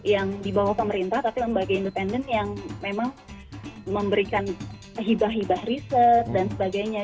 yang di bawah pemerintah tapi lembaga independen yang memang memberikan hibah hibah riset dan sebagainya